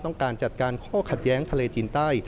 ต้องการจัดการข้อขัดแย้งทะเลจีนใต้